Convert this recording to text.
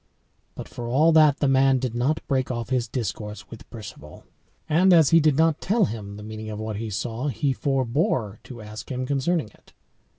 But for all that, the man did not break off his discourse with Perceval. And as he did not tell him the meaning of what he saw, he forebore to ask him concerning it.